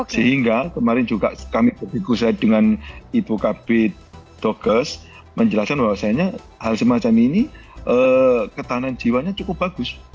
sehingga kemarin juga kami berdikusai dengan ibu kb doges menjelaskan bahwa seandainya hal semacam ini ketahanan jiwanya cukup bagus